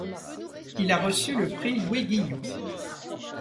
Il a reçu le prix Louis-Guilloux.